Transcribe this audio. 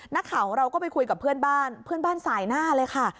นักข่าวของเราก็ไปคุยกับเพื่อนบ้านเพื่อนบ้านสายหน้าเลยค่ะ